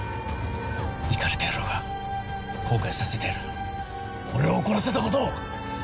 イカれた野郎が後悔させてやる俺を怒らせたことを！